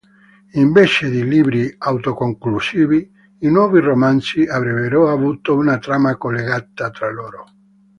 Invece di libri autoconclusivi, i nuovi romanzi avrebbero avuto una trama collegata tra loro.